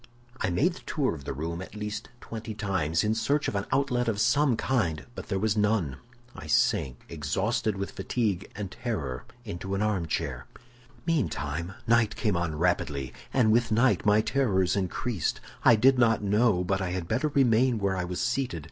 "I made the tour of the room at least twenty times, in search of an outlet of some kind; but there was none. I sank exhausted with fatigue and terror into an armchair. "Meantime, night came on rapidly, and with night my terrors increased. I did not know but I had better remain where I was seated.